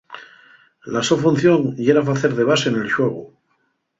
La so función yera facer de base nel xuegu.